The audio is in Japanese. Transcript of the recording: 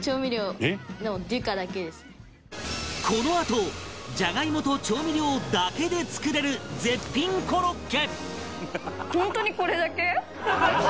このあとじゃがいもと調味料だけで作れる絶品コロッケ！